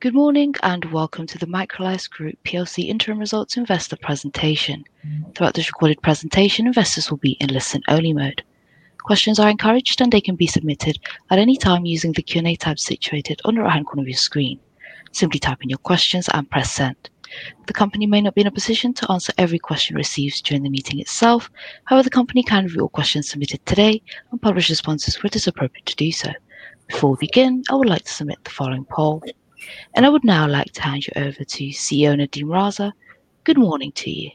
Good morning and welcome to the Microlise Group plc interim results investor presentation. Throughout this recorded presentation, investors will be in listen-only mode. Questions are encouraged and they can be submitted at any time using the Q&A tab situated on the right-hand corner of your screen. Simply type in your questions and press send. The company may not be in a position to answer every question received during the meeting itself. However, the company can review all questions submitted today and publish responses where it is appropriate to do so. Before we begin, I would like to submit the following poll. I would now like to hand you over to CEO Nadeem Raza. Good morning to you.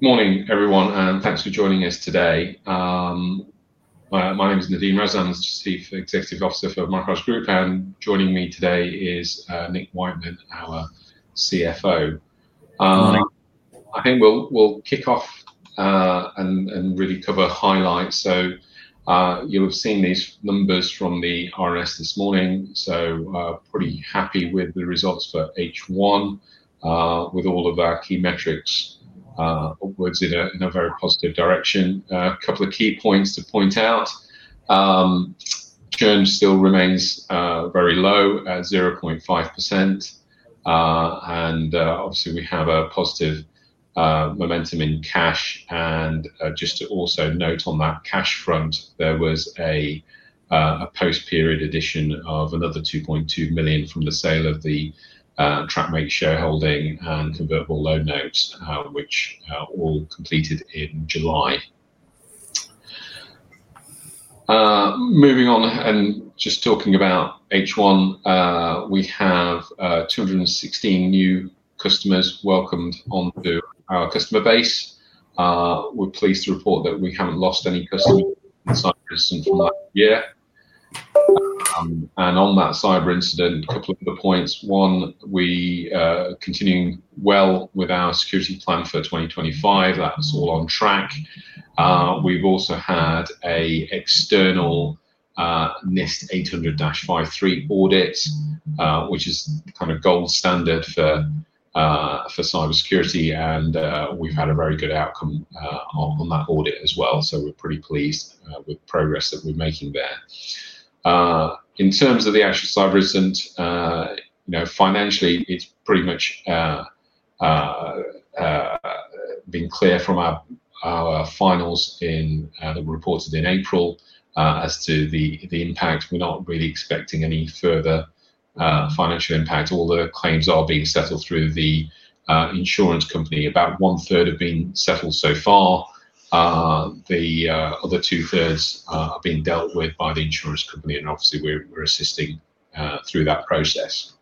Morning everyone, and thanks for joining us today. My name is Nadeem Raza. I'm the Chief Executive Officer for Microlise Group, and joining me today is Nicholas Wightman, our CFO. Morning. I think we'll kick off and really cover highlights. You have seen these numbers from the IRS this morning, so pretty happy with the results for H1 with all of our key metrics. Words in a very positive direction. A couple of key points to point out. Return still remains very low at 0.5%, and obviously we have a positive momentum in cash. Just to also note on that cash front, there was a post-period addition of another £2.2 million from the sale of the TrackMate shareholding and convertible loan notes, which all completed in July. Moving on and just talking about H1, we have 216 new customers welcomed onto our customer base. We're pleased to report that we haven't lost any customers from that year. On that cyber incident, a couple of points. One, we are continuing well with our security plan for 2025. That's all on track. We've also had an external NIST 800-53 audit, which is kind of gold standard for cybersecurity, and we've had a very good outcome on that audit as well. We're pretty pleased with the progress that we're making there. In terms of the actual cyber incident, financially, it's pretty much been clear from our finals that were reported in April as to the impact. We're not really expecting any further financial impact. All the claims are being settled through the insurance company. About one-third have been settled so far. The other two-thirds are being dealt with by the insurance company, and obviously we're assisting through that process.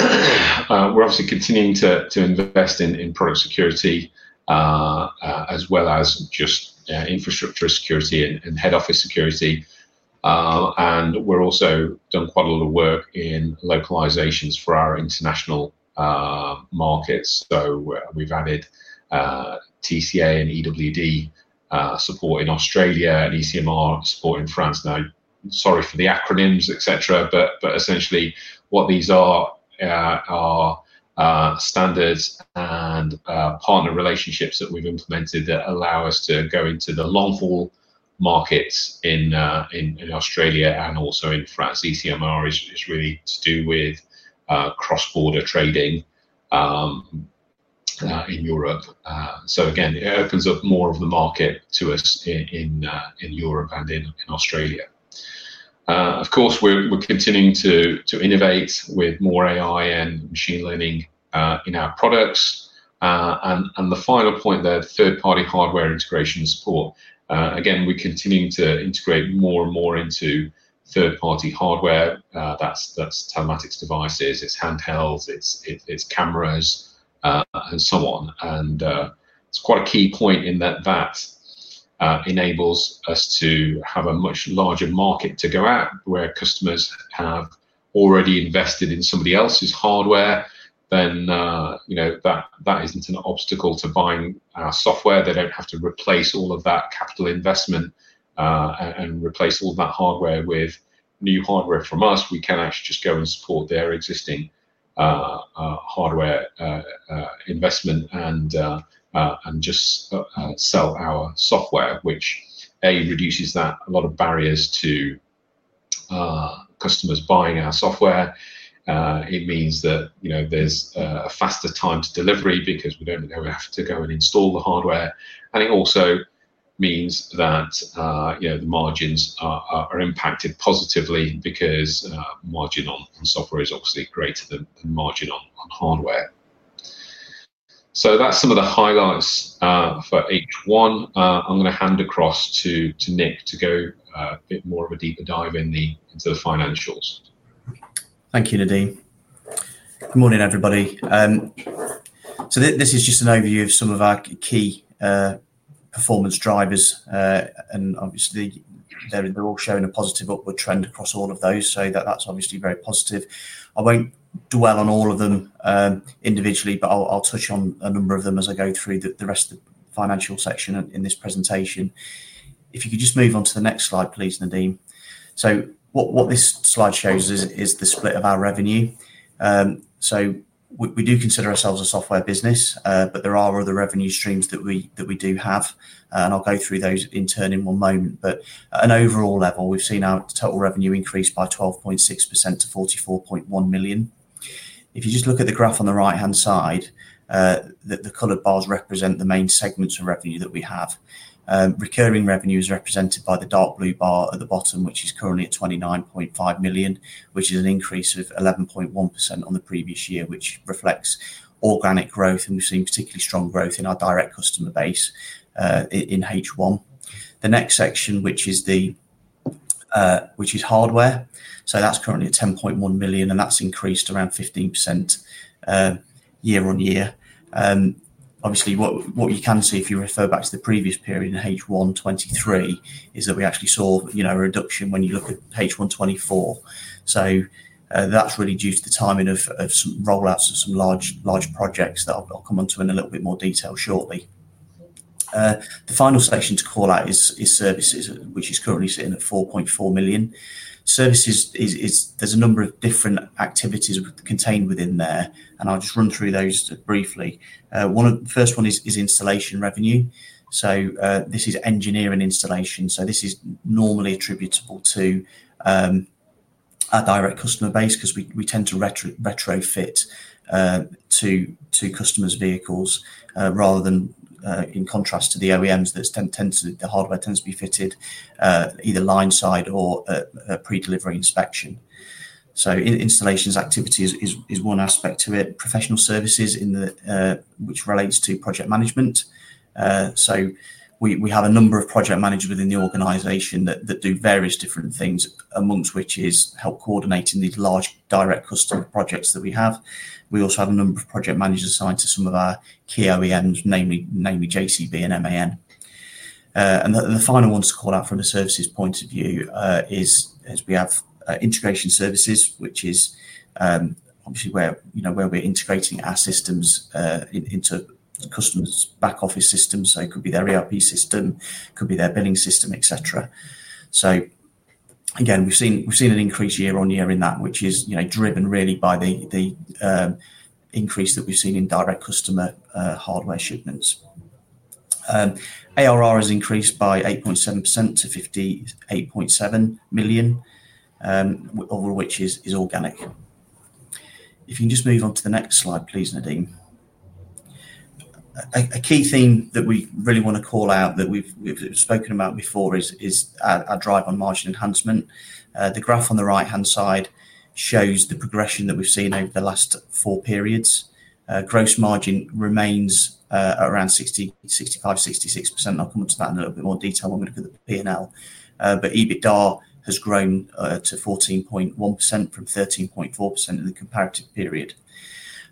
We're obviously continuing to invest in product security as well as just infrastructure security and head office security. We've also done quite a lot of work in localizations for our international markets. We've added TCA and EWD support in Australia and ECMR support in France. Sorry for the acronyms, etc., but essentially what these are are standards and partner relationships that we've implemented that allow us to go into the long-haul markets in Australia and also in France. ECMR is really to do with cross-border trading in Europe. It opens up more of the market to us in Europe and in Australia. Of course, we're continuing to innovate with more AI and machine learning in our products. The final point there, third-party hardware integration support. We're continuing to integrate more and more into third-party hardware. That's telematics devices, it's handhelds, it's cameras, and so on. It is quite a key point in that that enables us to have a much larger market to go at where customers have already invested in somebody else's hardware. That isn't an obstacle to buying our software. They don't have to replace all of that capital investment and replace all of that hardware with new hardware from us. We can actually just go and support their existing hardware investment and just sell our software, which reduces a lot of barriers to customers buying our software. It means that there's a faster time to delivery because we don't have to go and install the hardware. It also means that the margins are impacted positively because margin on software is obviously greater than margin on hardware. That's some of the highlights for H1. I'm going to hand across to Nick to go a bit more of a deeper dive into the financials. Thank you, Nadeem. Morning everybody. This is just an overview of some of our key performance drivers. Obviously, they're all showing a positive upward trend across all of those, so that's obviously very positive. I won't dwell on all of them individually, but I'll touch on a number of them as I go through the rest of the financial section in this presentation. If you could just move on to the next slide, please, Nadeem. What this slide shows is the split of our revenue. We do consider ourselves a software business, but there are other revenue streams that we do have. I'll go through those in turn in one moment. At an overall level, we've seen our total revenue increase by 12.6% to £44.1 million. If you just look at the graph on the right-hand side, the colored bars represent the main segments of revenue that we have. Recurring revenue is represented by the dark blue bar at the bottom, which is currently at £29.5 million, which is an increase of 11.1% on the previous year, which reflects organic growth. We've seen particularly strong growth in our direct customer base in H1. The next section, which is hardware, is currently at £10.1 million, and that's increased around 15% year on year. What you can see if you refer back to the previous period in H1 2023 is that we actually saw a reduction when you look at H1 2024. That's really due to the timing of some rollouts of some large projects that I'll come onto in a little bit more detail shortly. The final section to call out is services, which is currently sitting at £4.4 million. Services, there's a number of different activities contained within there, and I'll just run through those briefly. The first one is installation revenue. This is engineering installation. This is normally attributable to our direct customer base because we tend to retrofit to customers' vehicles rather than in contrast to the OEMs that tend to, the hardware tends to be fitted either line side or a pre-delivery inspection. Installations activity is one aspect to it. Professional services, which relates to project management. We have a number of project managers within the organization that do various different things, amongst which is help coordinating these large direct customer projects that we have. We also have a number of project managers assigned to some of our key OEMs, namely J.C. Bamford Excavators Limited and MAN. The final one to call out from the services point of view is we have integration services, which is obviously where we're integrating our systems into the customer's back office system. It could be their ERP system, it could be their billing system, etc. We've seen an increase year on year in that, which is driven really by the increase that we've seen in direct customer hardware shipments. ARR has increased by 8.7% to £58.7 million, all of which is organic. If you can just move on to the next slide, please, Nadeem. A key theme that we really want to call out that we've spoken about before is our drive on margin enhancement. The graph on the right-hand side shows the progression that we've seen over the last four periods. Gross margin remains around 65%, 66%. I'll come onto that in a little bit more detail when we look at the P&L. EBITDA has grown to 14.1% from 13.4% in the comparative period.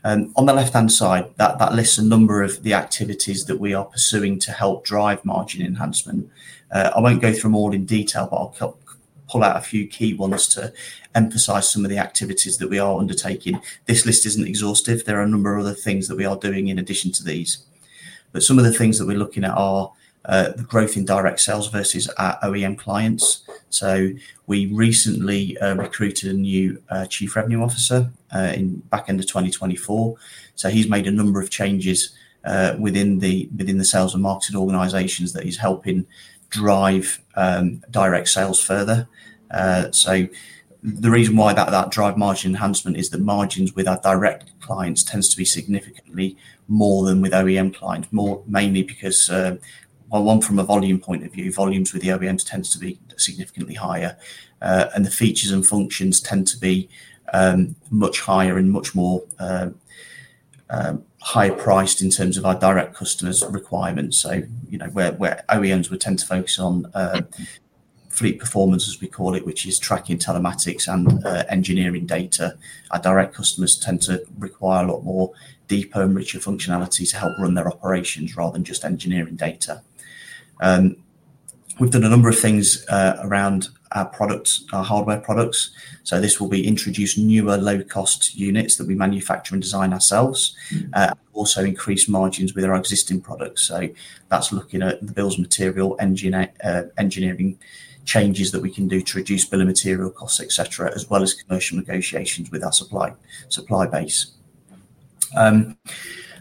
On the left-hand side, that lists a number of the activities that we are pursuing to help drive margin enhancement. I won't go through them all in detail, but I'll pull out a few key ones to emphasize some of the activities that we are undertaking. This list isn't exhaustive. There are a number of other things that we are doing in addition to these. Some of the things that we're looking at are the growth in direct sales versus OEM clients. We recently recruited a new Chief Revenue Officer back into 2024. He's made a number of changes within the sales and marketing organizations that he's helping drive direct sales further. The reason why that drives margin enhancement is that margins with our direct clients tend to be significantly more than with OEM clients, mainly because from a volume point of view, volumes with the OEMs tend to be significantly higher. The features and functions tend to be much higher and much more higher priced in terms of our direct customers' requirements. Where OEMs would tend to focus on fleet performance, as we call it, which is tracking telematics and engineering data, our direct customers tend to require a lot more deeper and richer functionality to help run their operations rather than just engineering data. We've done a number of things around our products, our hardware products. This will be introduced newer low-cost units that we manufacture and design ourselves. Also increase margins with our existing products. That's looking at the bills of material, engineering changes that we can do to reduce bill of material costs, etc., as well as commercial negotiations with our supply base.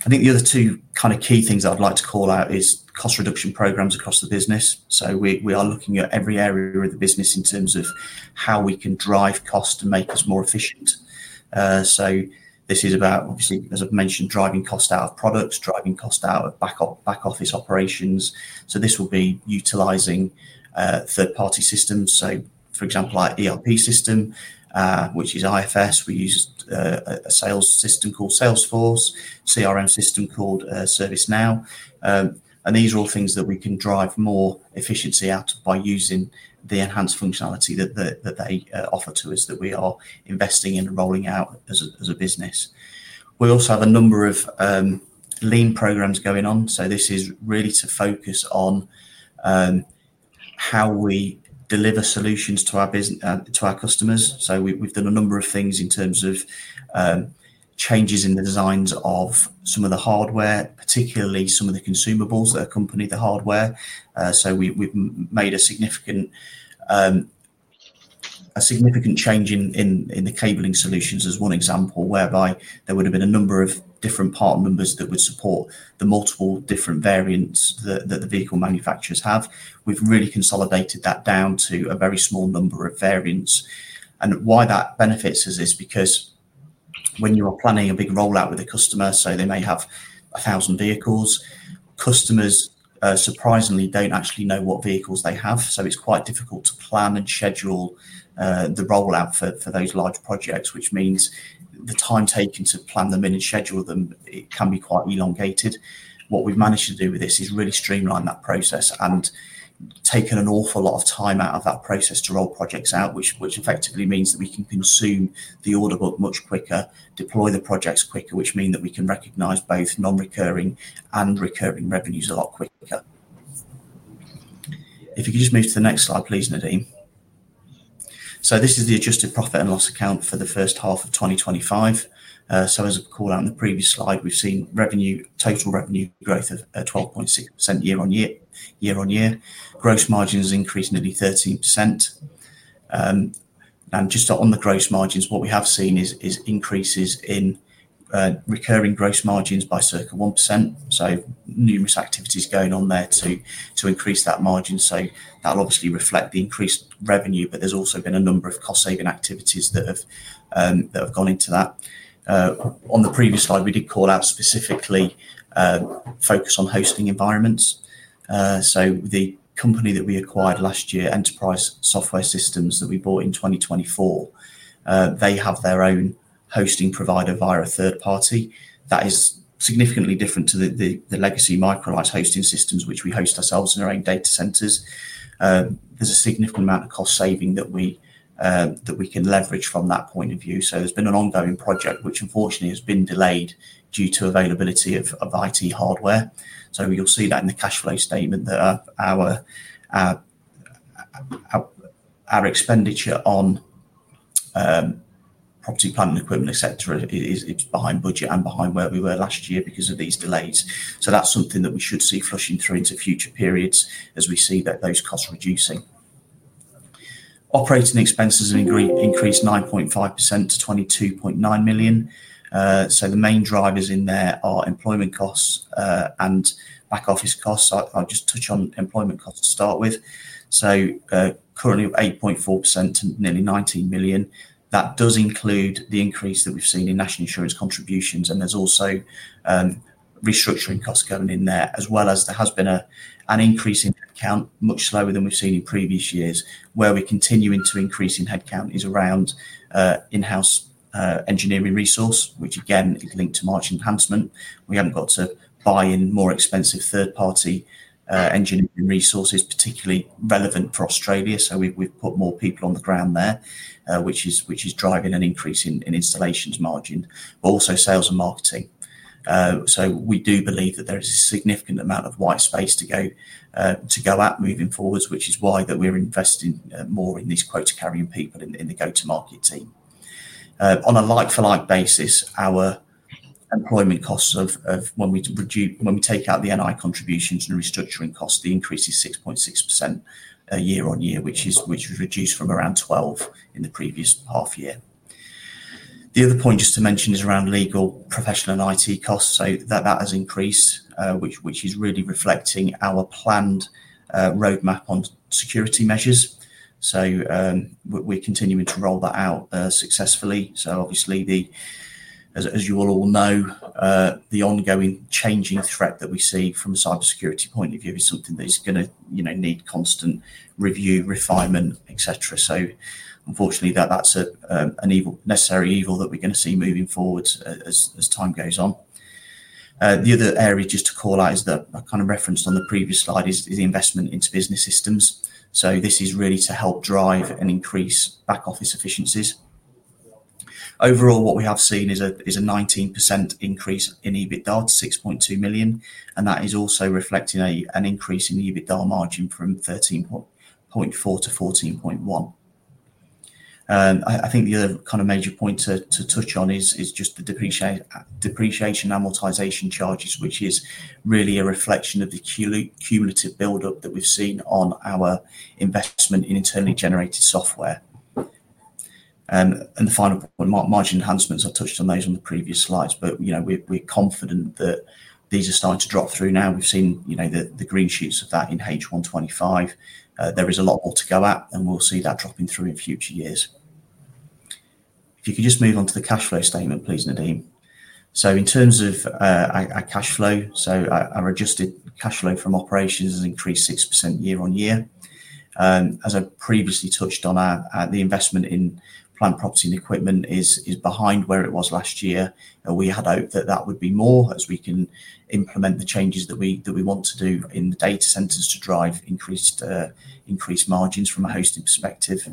I think the other two kind of key things that I'd like to call out is cost reduction programs across the business. We are looking at every area of the business in terms of how we can drive costs and make us more efficient. This is about, obviously, as I've mentioned, driving cost out of products, driving cost out of back office operations. This will be utilizing third-party systems. For example, our ERP system, which is IFS. We use a sales system called Salesforce, CRM system called ServiceNow. These are all things that we can drive more efficiency out of by using the enhanced functionality that they offer to us that we are investing in and rolling out as a business. We'll also have a number of lean programs going on. This is really to focus on how we deliver solutions to our customers. We've done a number of things in terms of changes in the designs of some of the hardware, particularly some of the consumables that accompany the hardware. We've made a significant change in the cabling solutions as one example, whereby there would have been a number of different part numbers that would support the multiple different variants that the vehicle manufacturers have. We've really consolidated that down to a very small number of variants. Why that benefits us is because when you are planning a big rollout with a customer, they may have 1,000 vehicles, customers surprisingly don't actually know what vehicles they have. It's quite difficult to plan and schedule the rollout for those large projects, which means the time taken to plan them in and schedule them, it can be quite elongated. What we've managed to do with this is really streamline that process and taken an awful lot of time out of that process to roll projects out, which effectively means that we can consume the order book much quicker, deploy the projects quicker, which means that we can recognize both non-recurring and recurring revenues a lot quicker. If you could just move to the next slide, please, Nadeem. This is the adjusted profit and loss account for the first half of 2025. As I called out in the previous slide, we've seen total revenue growth of 12.6% year on year. Gross margins increased nearly 13%. On the gross margins, what we have seen is increases in recurring gross margins by circa 1%. Numerous activities are going on there to increase that margin. That will obviously reflect the increased revenue, but there's also been a number of cost-saving activities that have gone into that. On the previous slide, we did call out specifically focus on hosting environments. The company that we acquired last year, Enterprise Software Systems, that we bought in 2024, has its own hosting provider via a third party. That is significantly different to the legacy Microlise Hosting Systems, which we host ourselves in our own data centers. There's a significant amount of cost saving that we can leverage from that point of view. There's been an ongoing project, which unfortunately has been delayed due to availability of IT hardware. You'll see that in the cash flow statement that our expenditure on property, plant, and equipment, etc., is behind budget and behind where we were last year because of these delays. That's something that we should see flushing through into future periods as we see those costs reducing. Operating expenses have increased 9.5% to £22.9 million. The main drivers in there are employment costs and back office costs. I'll just touch on employment costs to start with. Currently 8.4% to nearly £19 million. That does include the increase that we've seen in national insurance contributions. There's also restructuring costs going in there, as well as there has been an increase in headcount, much slower than we've seen in previous years. Where we continue to increase in headcount is around in-house engineering resource, which again is linked to margin enhancement. We haven't got to buy in more expensive third-party engineering resources, particularly relevant for Australia. We've put more people on the ground there, which is driving an increase in installations margin, but also sales and marketing. We do believe that there is a significant amount of white space to go at moving forwards, which is why we're investing more in these quota carrying people in the go-to-market team. On a like-for-like basis, our employment costs, when we take out the NI contributions and restructuring costs, the increase is 6.6% year on year, which is reduced from around 12% in the previous half year. The other point just to mention is around legal, professional, and IT costs. That has increased, which is really reflecting our planned roadmap on security measures. We're continuing to roll that out successfully. Obviously, as you all know, the ongoing changing threat that we see from a cybersecurity point of view is something that is going to need constant review, refinement, etc. Unfortunately, that's a necessary evil that we're going to see moving forward as time goes on. The other area just to call out that I referenced on the previous slide is the investment into business systems. This is really to help drive and increase back office efficiencies. Overall, what we have seen is a 19% increase in EBITDA to £6.2 million, and that is also reflecting an increase in EBITDA margin from 13.4% to 14.1%. I think the other major point to touch on is just the depreciation and amortization charges, which is really a reflection of the cumulative buildup that we've seen on our investment in internally generated software. The final point, margin enhancements, I've touched on those on the previous slides, but we're confident that these are starting to drop through now. We've seen the green shoots of that in H1 2025. There is a lot more to go at, and we'll see that dropping through in future years. If you could just move on to the cash flow statement, please, Nadeem. In terms of our cash flow, our adjusted cash flow from operations has increased 6% year on year. As I previously touched on, the investment in plant, property, and equipment is behind where it was last year. We had hoped that that would be more as we can implement the changes that we want to do in the data centers to drive increased margins from a hosting perspective.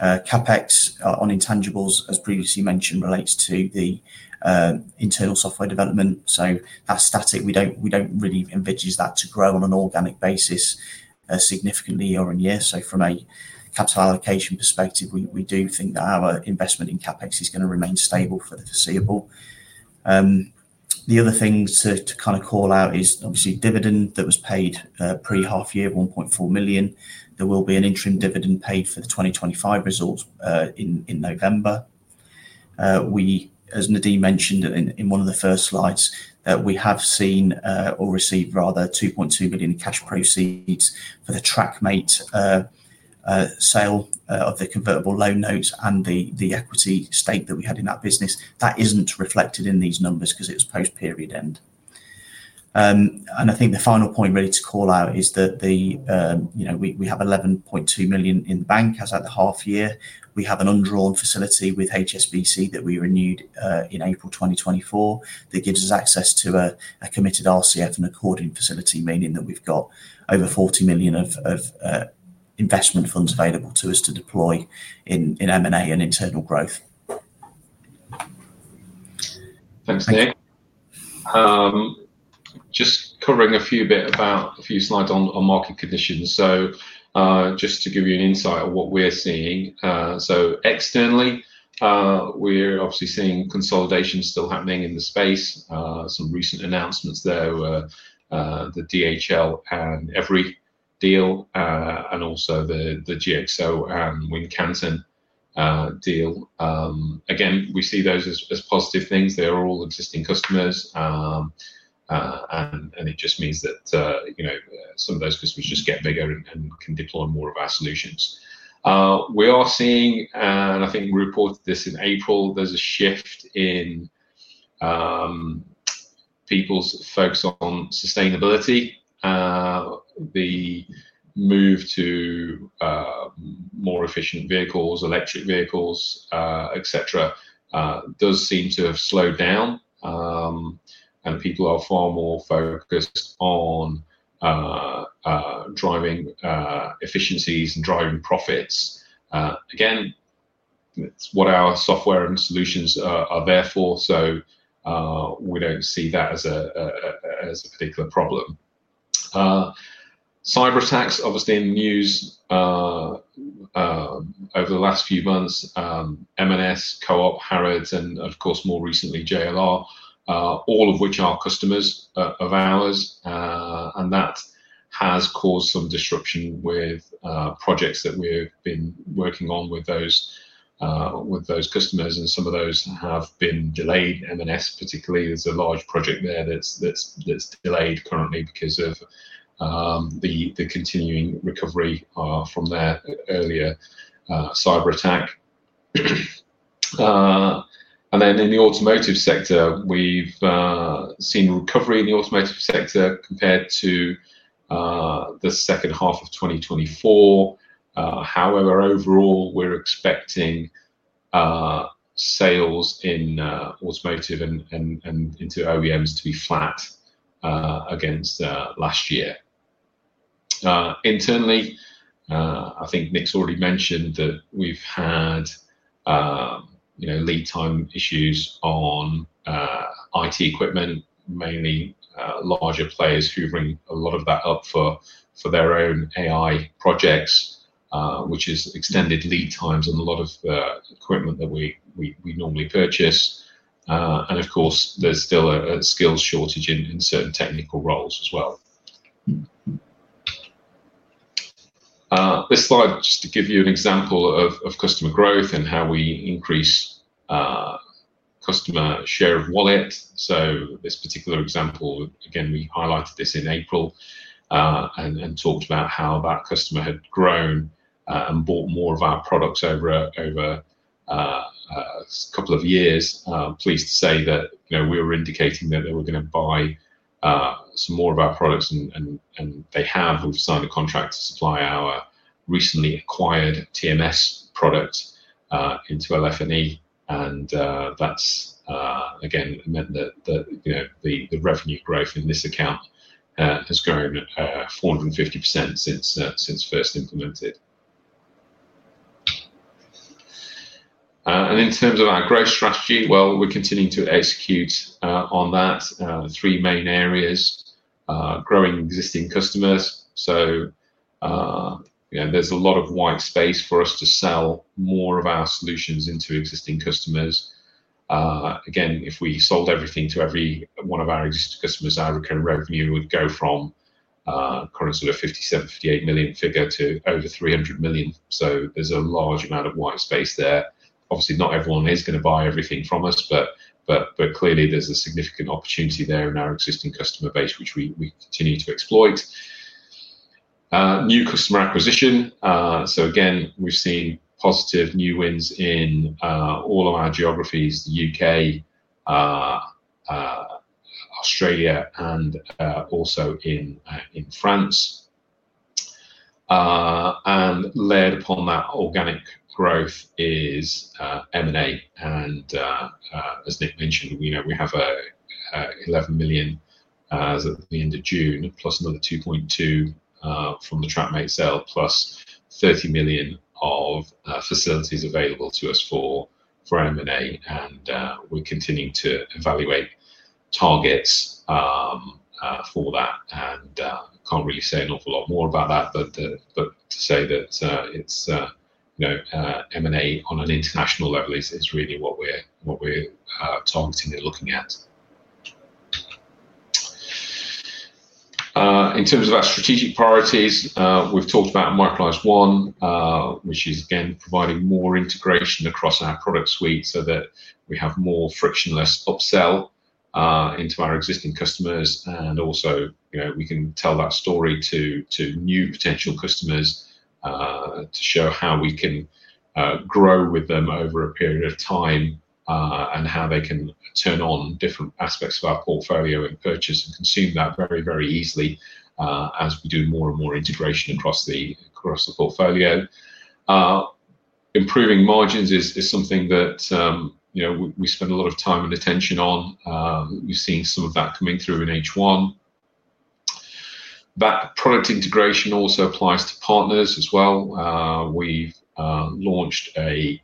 CapEx on intangibles, as previously mentioned, relates to the internal software development. That's static. We don't really envisage that to grow on an organic basis significantly year on year. From a capital allocation perspective, we do think that our investment in CapEx is going to remain stable for the foreseeable future. The other thing to call out is the dividend that was paid pre-half year, £1.4 million. There will be an interim dividend paid for the 2025 result in November. As Nadeem mentioned in one of the first slides, we have received £2.2 million cash proceeds for the TrackMate sale of the convertible loan notes and the equity stake that we had in that business. That isn't reflected in these numbers because it was post-period end. The final point really to call out is that we have £11.2 million in the bank as at the half year. We have an undrawn facility with HSBC that we renewed in April 2024 that gives us access to a committed RCF and accordion facility, meaning that we've got over £40 million of investment funds available to us to deploy in M&A and internal growth. Thanks, Ned. Just covering a few bits about a few slides on market conditions. Just to give you an insight of what we're seeing. Externally, we're obviously seeing consolidation still happening in the space. Some recent announcements though, the DHL and Every deal and also the GXO and Wincansen deal. We see those as positive things. They are all existing customers. It just means that some of those customers get bigger and can deploy more of our solutions. We are seeing, and I think we reported this in April, there's a shift in people's focus on sustainability. The move to more efficient vehicles, electric vehicles, etc., does seem to have slowed down. People are far more focused on driving efficiencies and driving profits. It's what our software and solutions are there for. We don't see that as a particular problem. Cyber attacks obviously in the news over the last few months, M&S, Co-op, Harrods, and of course, more recently, JLR, all of which are customers of ours. That has caused some disruption with projects that we've been working on with those customers. Some of those have been delayed. M&S particularly is a large project there that's delayed currently because of the continuing recovery from that earlier cyber attack. In the automotive sector, we've seen recovery in the automotive sector compared to the second half of 2024. However, overall, we're expecting sales in automotive and into OEMs to be flat against last year. Internally, I think Nick's already mentioned that we've had lead time issues on IT equipment, mainly larger players who bring a lot of that up for their own AI projects, which has extended lead times on a lot of the equipment that we normally purchase. There's still a skills shortage in certain technical roles as well. This slide, just to give you an example of customer growth and how we increase customer share of wallet. This particular example, again, we highlighted this in April and talked about how that customer had grown and bought more of our products over a couple of years. Pleased to say that we were indicating that they were going to buy some more of our products, and they have signed a contract to supply our recently acquired TMS product into LF&E. That's meant that the revenue growth in this account has grown 450% since first implemented. In terms of our growth strategy, we're continuing to execute on that. The three main areas are growing existing customers. There's a lot of white space for us to sell more of our solutions into existing customers. If we sold everything to every one of our existing customers, our revenue would go from currently the £57 million, £58 million figure to over £300 million. There's a large amount of white space there. Obviously, not everyone is going to buy everything from us, but clearly, there's a significant opportunity there in our existing customer base, which we continue to exploit. New customer acquisition. We've seen positive new wins in all of our geographies: the UK, Australia, and also in France. Layered upon that organic growth is M&A. As Nick mentioned, we have £11 million at the end of June, plus another £2.2 million from the TrackMate sale, plus £30 million of facilities available to us for M&A. We're continuing to evaluate targets for that. I can't really say an awful lot more about that, but to say that it's M&A on an international level is really what we're targeting and looking at. In terms of our strategic priorities, we've talked about Microlise One, which is providing more integration across our product suite so that we have more frictionless upsell into our existing customers. We can tell that story to new potential customers to show how we can grow with them over a period of time and how they can turn on different aspects of our portfolio and purchase and consume that very, very easily as we do more and more integration across the portfolio. Improving margins is something that we spend a lot of time and attention on. We've seen some of that coming through in H1. That product integration also applies to partners as well. We've launched a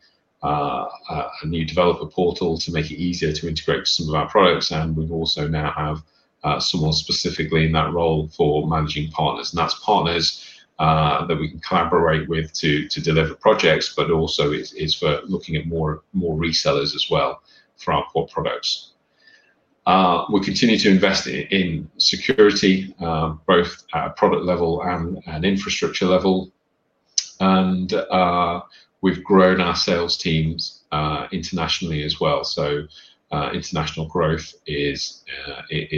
new developer portal to make it easier to integrate with some of our products. We also now have someone specifically in that role for managing partners. That's partners that we can collaborate with to deliver projects, but also is for looking at more resellers as well for our core products. We continue to invest in security, both at a product level and infrastructure level. We've grown our sales teams internationally as well. International growth is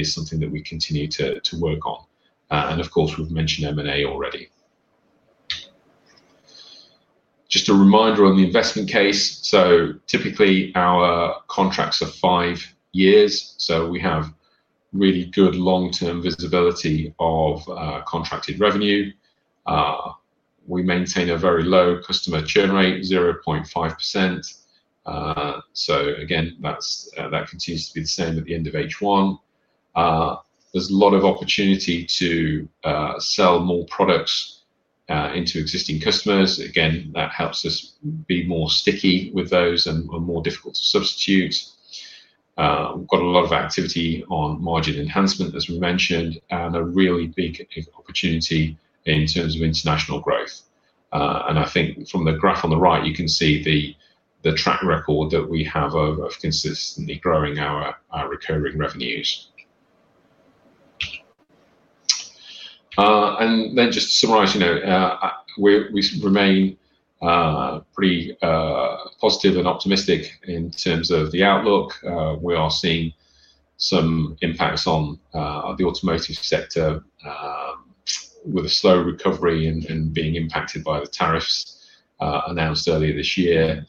something that we continue to work on. We've mentioned M&A already. Just a reminder on the investment case. Typically, our contracts are five years. We have really good long-term visibility of contracted revenue. We maintain a very low customer churn rate, 0.5%. That continues to be the same at the end of H1. There's a lot of opportunity to sell more products into existing customers, which helps us be more sticky with those and more difficult to substitute. We've got a lot of activity on margin enhancement, as we mentioned, and a really big opportunity in terms of international growth. From the graph on the right, you can see the track record that we have of consistently growing our recurring revenues. To summarize, we remain pretty positive and optimistic in terms of the outlook. We are seeing some impacts on the automotive sector with a slow recovery and being impacted by the tariffs announced earlier this year.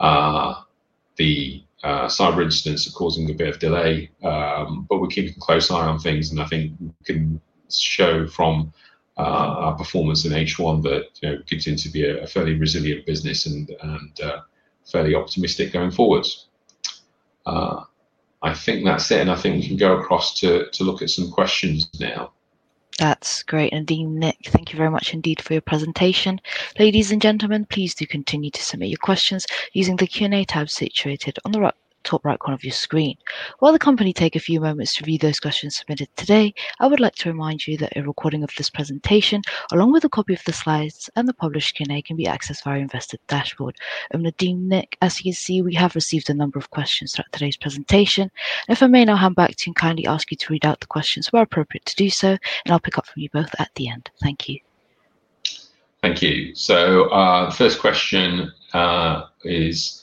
The cyber incidents are causing a bit of delay, but we're keeping a close eye on things. We can show from our performance in H1 that it continues to be a fairly resilient business and fairly optimistic going forwards. I think that's it. I think we can go across to look at some questions now. That's great. Nadeem, Nick, thank you very much indeed for your presentation. Ladies and gentlemen, please do continue to submit your questions using the Q&A tab situated on the top right corner of your screen. While the company takes a few moments to review those questions submitted today, I would like to remind you that a recording of this presentation, along with a copy of the slides and the published Q&A, can be accessed via our investor dashboard. I'm Nadeem Nick. As you can see, we have received a number of questions throughout today's presentation. If I may now hand back to you and kindly ask you to read out the questions where appropriate to do so, I'll pick up from you both at the end. Thank you. Thank you. The first question is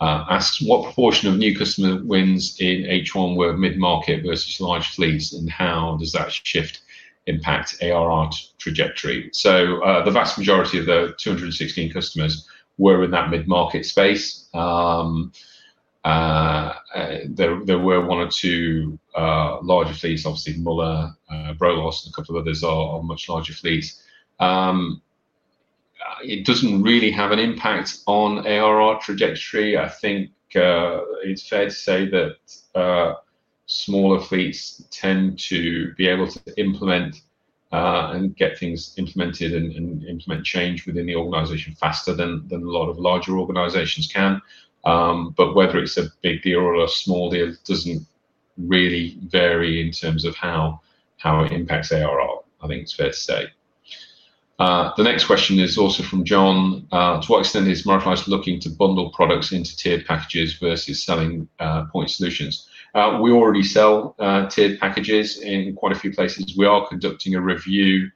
asked, what proportion of new customer wins in H1 were mid-market versus large fleets, and how does that shift impact ARR trajectory? The vast majority of the 216 customers were in that mid-market space. There were one or two larger fleets, obviously Müller, Brolos, and a couple of others are much larger fleets. It doesn't really have an impact on ARR trajectory. I think it's fair to say that smaller fleets tend to be able to implement and get things implemented and implement change within the organization faster than a lot of larger organizations can. Whether it's a big deal or a small deal doesn't really vary in terms of how it impacts ARR, I think it's fair to say. The next question is also from John. To what extent is Microlise looking to bundle products into tiered packages versus selling point solutions? We already sell tiered packages in quite a few places. We are conducting a review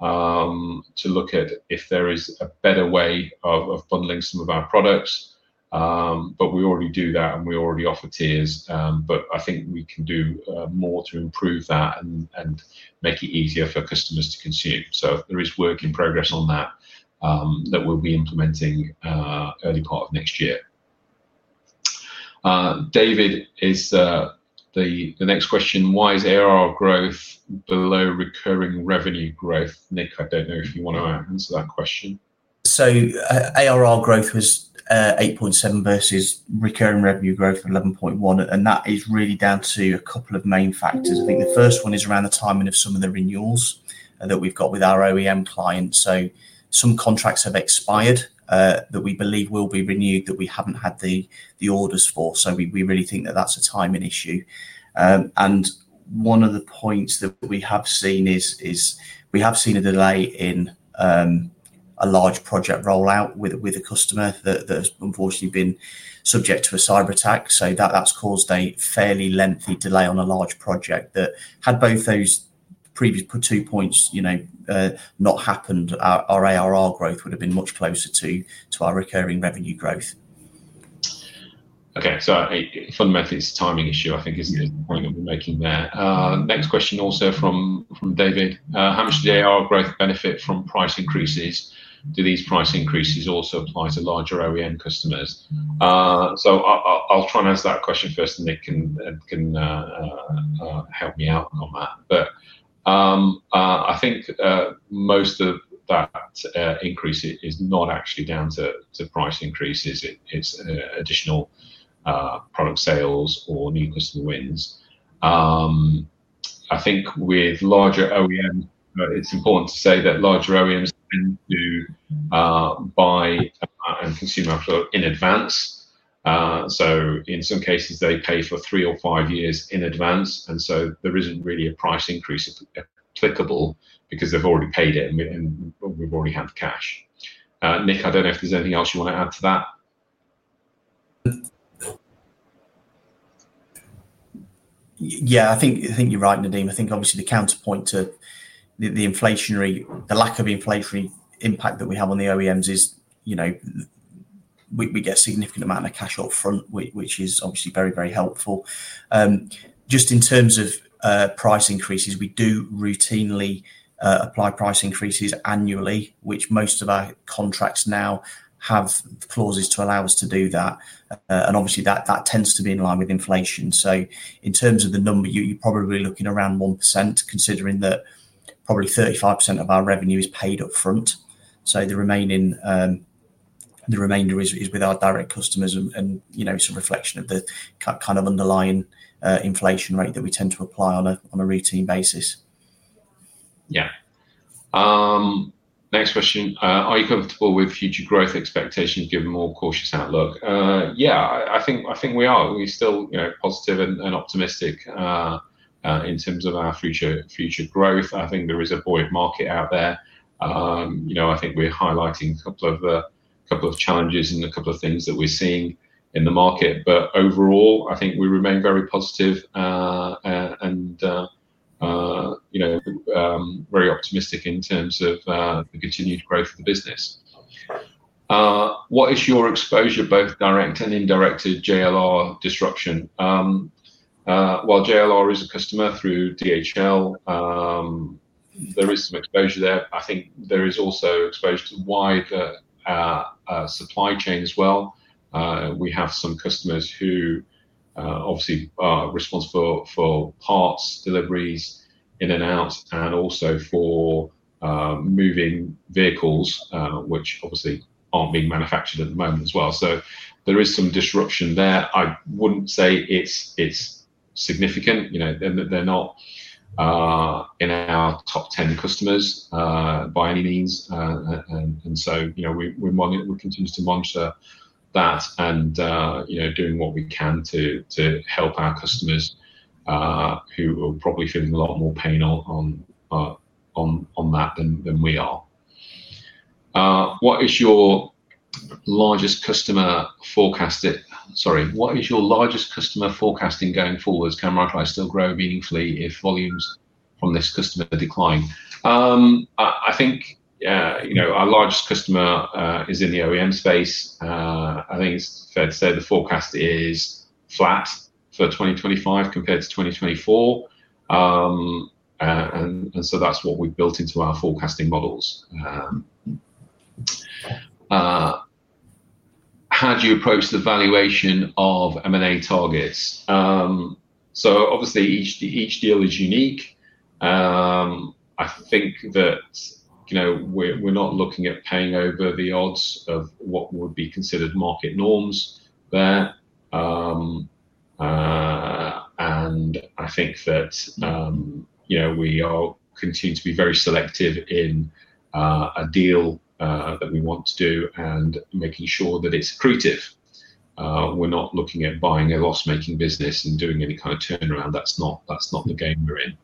to look at if there is a better way of bundling some of our products. We already do that, and we already offer tiers. I think we can do more to improve that and make it easier for customers to consume. There is work in progress on that that we'll be implementing early part of next year. David is the next question. Why is ARR growth below recurring revenue growth? Nick, I don't know if you want to answer that question. ARR growth was 8.7% versus recurring revenue growth of 11.1%. That is really down to a couple of main factors. I think the first one is around the timing of some of the renewals that we've got with our OEM clients. Some contracts have expired that we believe will be renewed that we haven't had the orders for. We really think that that's a timing issue. One of the points that we have seen is we have seen a delay in a large project rollout with a customer that has unfortunately been subject to a cyber incident. That's caused a fairly lengthy delay on a large project. Had both those previous two points not happened, our ARR growth would have been much closer to our recurring revenue growth. Okay. Fundamentally, it's a timing issue, I think, isn't it, the point that we're making there. Next question also from David. How much does ARR growth benefit from price increases? Do these price increases also apply to larger OEM customers? I'll try and answer that question first, and Nick can help me out on that. I think most of that increase is not actually down to price increases. It's additional product sales or new customer wins. I think with larger OEM, it's important to say that larger OEMs do buy and consume in advance. In some cases, they pay for three or five years in advance, and so there isn't really a price increase applicable because they've already paid it and we've already had the cash. Nick, I don't know if there's anything else you want to add to that. Yeah, I think you're right, Nadeem. I think obviously the counterpoint to the lack of inflationary impact that we have on the OEMs is, you know, we get a significant amount of cash upfront, which is obviously very, very helpful. Just in terms of price increases, we do routinely apply price increases annually, which most of our contracts now have clauses to allow us to do that. That tends to be in line with inflation. In terms of the number, you're probably looking around 1%, considering that probably 35% of our revenue is paid upfront. The remainder is with our direct customers and, you know, it's a reflection of the kind of underlying inflation rate that we tend to apply on a routine basis. Yeah. Next question. Are you comfortable with future growth expectations given a more cautious outlook? Yeah, I think we are. We're still positive and optimistic in terms of our future growth. I think there is a void market out there. I think we're highlighting a couple of challenges and a couple of things that we're seeing in the market, but overall, I think we remain very positive and very optimistic in terms of the continued growth of the business. What is your exposure, both direct and indirect, to JLR disruption? While JLR is a customer through DHL, there is some exposure there. I think there is also exposure to wider supply chain as well. We have some customers who obviously are responsible for parts, deliveries in and out, and also for moving vehicles, which obviously aren't being manufactured at the moment as well. There is some disruption there. I wouldn't say it's significant. They're not in our top 10 customers by any means, and we're continuing to monitor that and doing what we can to help our customers who are probably feeling a lot more pain on that than we are. What is your largest customer forecasting going forward? Can Microlise still grow meaningfully if volumes on this customer decline? I think, yeah, our largest customer is in the OEM space. I think it's fair to say the forecast is flat for 2025 compared to 2024, and that's what we've built into our forecasting models. How do you approach the valuation of M&A targets? Obviously, each deal is unique. I think that we're not looking at paying over the odds of what would be considered market norms there. I think that we continue to be very selective in a deal that we want to do and making sure that it's accretive. We're not looking at buying a loss-making business and doing any kind of turnaround. That's not the game we're in.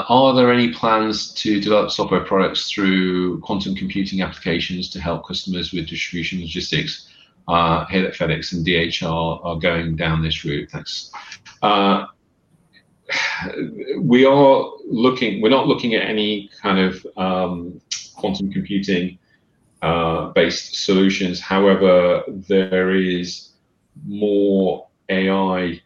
Are there any plans to develop software products through quantum computing applications to help customers with distribution logistics? Helix, FedEx, and DHL are going down this route. We are not looking at any kind of quantum computing-based solutions. However, there is more AI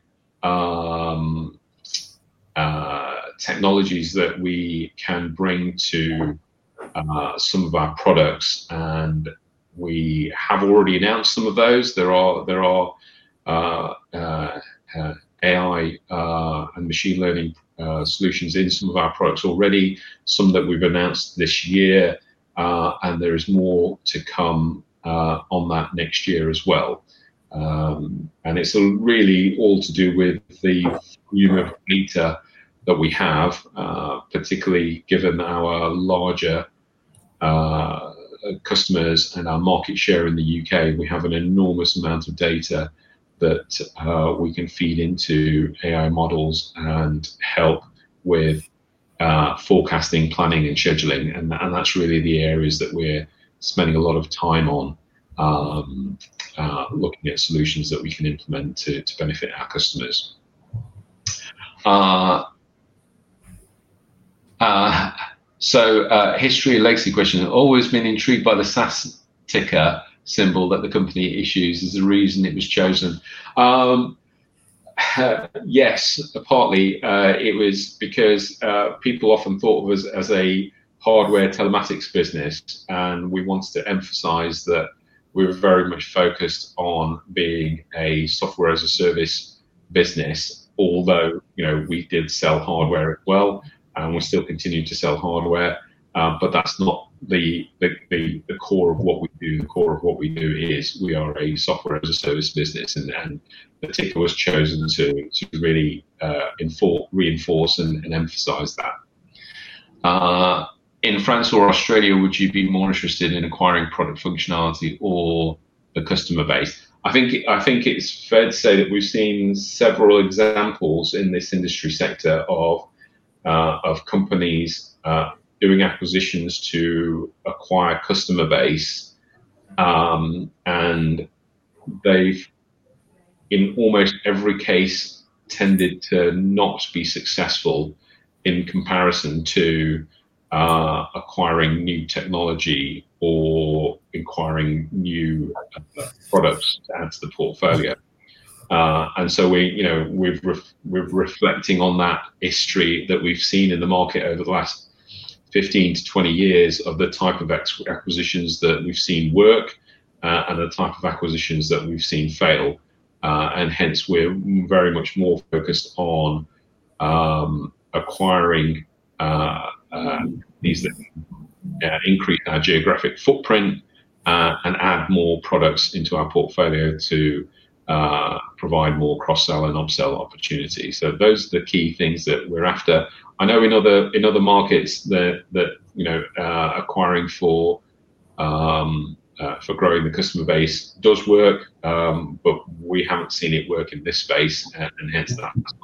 technologies that we can bring to some of our products, and we have already announced some of those. There are AI and machine learning solutions in some of our products already, some that we've announced this year. There is more to come on that next year as well. It is really all to do with the unit of data that we have, particularly given our larger customers and our market share in the UK. We have an enormous amount of data that we can feed into AI models and help with forecasting, planning, and scheduling. That is really the area that we're spending a lot of time on, looking at solutions that we can implement to benefit our customers. History and legacy questions. I've always been intrigued by the SAS ticker symbol that the company issues. Is there a reason it was chosen? Yes, partly. It was because people often thought of us as a hardware telematics business. We wanted to emphasize that we were very much focused on being a software as a service business, although we did sell hardware as well, and we're still continuing to sell hardware. That is not the core of what we do. The core of what we do is we are a software as a service business. The ticker was chosen to really reinforce and emphasize that. In France or Australia, would you be more interested in acquiring product functionality or the customer base? I think it's fair to say that we've seen several examples in this industry sector of companies doing acquisitions to acquire customer base. They have in almost every case tended to not be successful in comparison to acquiring new technology or acquiring new products to the portfolio. We are reflecting on that history that we've seen in the market over the last 15 to 20 years of the type of acquisitions that we've seen work and the type of acquisitions that we've seen fail. Hence, we're very much more focused on acquiring these geographic footprint and adding more products into our portfolio to provide more cross-sell and upsell opportunities. Those are the key things that we're after. I know in other markets that acquiring for growing the customer base does work, but we haven't seen it work in this space and hence that's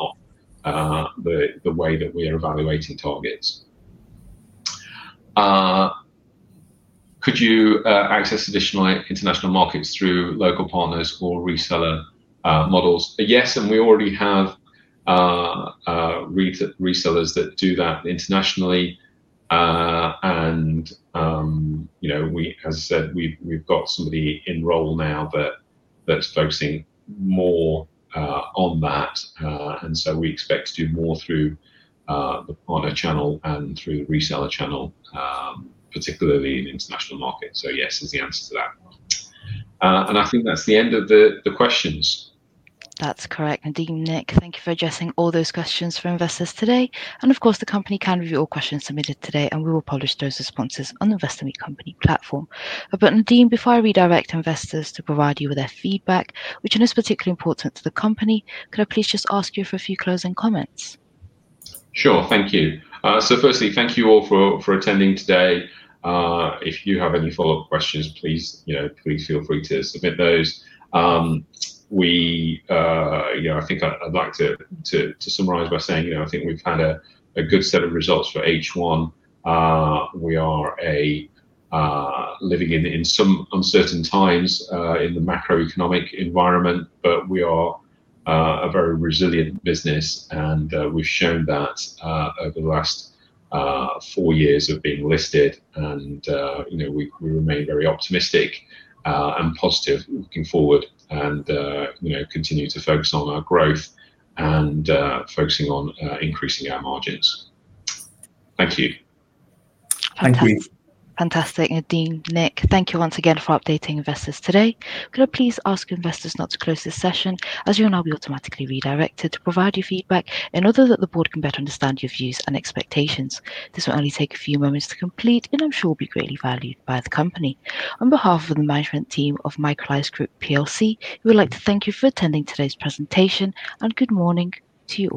not the way that we're evaluating targets. Could you access additional international markets through local partners or reseller models? Yes, and we already have resellers that do that internationally. As I said, we've got somebody in role now that's focusing more on that. We expect to do more through a channel and through the reseller channel, particularly in international markets. Yes, there's the answer to that. I think that's the end of the questions. That's correct. Nadeem, Nick, thank you for addressing all those questions for investors today. The company can review all questions submitted today, and we will publish those responses on the Invest in the Company platform. Nadeem, before I redirect investors to provide you with their feedback, which I know is particularly important to the company, could I please just ask you for a few closing comments? Sure. Thank you. Firstly, thank you all for attending today. If you have any follow-up questions, please feel free to submit those. I think I'd like to summarize by saying I think we've had a good set of results for H1. We are living in some uncertain times in the macroeconomic environment, but we are a very resilient business. We've shown that over the last four years of being listed. We remain very optimistic and positive looking forward and continue to focus on our growth and focusing on increasing our margins. Thank you. Fantastic. Nadeem, Nick, thank you once again for updating investors today. Could I please ask investors not to close this session as you will now be automatically redirected to provide your feedback in order that the board can better understand your views and expectations? This will only take a few moments to complete, and I'm sure it will be greatly valued by the company. On behalf of the management team of Microlise Group plc, we would like to thank you for attending today's presentation and good morning to you.